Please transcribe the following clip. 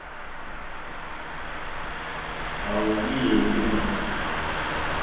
Ò óhwī éhwùmà.